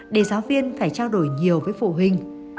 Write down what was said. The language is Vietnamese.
để giáo viên phải trao đổi nhiều với phụ huynh